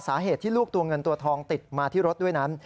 สาเหตุที่ลูกตัวเงินตัวทองติดมาที่รถด้วยนั้น